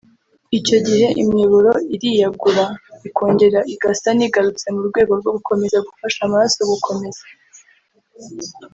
Icyo gihe imiyoboro iriyagura ikongera igasa n’igarutse mu rwego rwo gukomeza gufasha amaraso gukomeza